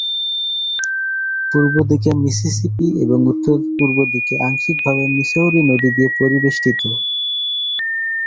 পূর্ব দিকে মিসিসিপি এবং উত্তর পূর্ব দিকে আংশিক ভাবে মিসৌরি নদী দিয়ে পরিবেষ্টিত।